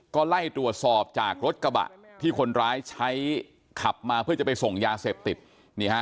ก็ไล่ตรวจสอบจากรถกระบะที่คนร้ายใช้ขับมาเพื่อจะไปส่งยาเสพติดนี่ฮะ